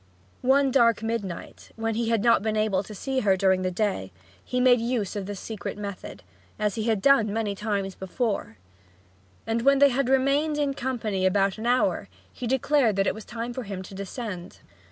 One dark midnight, when he had not been able to see her during the day, he made use of this secret method, as he had done many times before; and when they had remained in company about an hour he declared that it was time for him to descend.